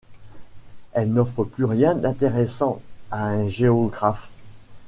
Elle n’offre plus rien d’intéressant à un géographe.